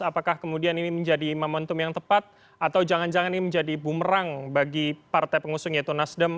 apakah kemudian ini menjadi momentum yang tepat atau jangan jangan ini menjadi bumerang bagi partai pengusung yaitu nasdem